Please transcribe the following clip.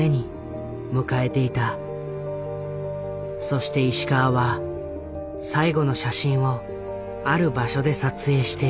そして石川は最後の写真をある場所で撮影している。